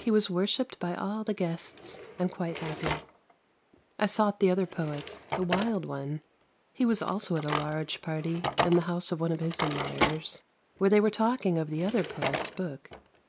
He was worshipped by all the guests, and quite happy. I sought the other poet, the wild one, he was also at a large party, in the house of one of his admirers, where they were talking of the other poet's book.